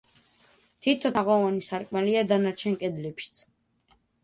თითო თაღოვანი სარკმელია დანარჩენ კედლებშიც.